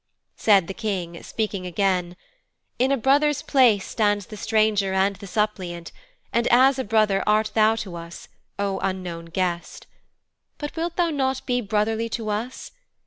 Said the King, speaking again, 'In a brother's place stands the stranger and the suppliant, and as a brother art thou to us, O unknown guest. But wilt thou not be brotherly to us?